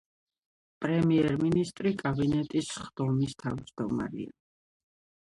პრემიერ-მინისტრი კაბინეტის სხდომის თავმჯდომარეა.